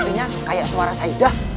sepertinya kayak suara saidah